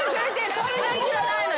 そんな気はないのよ。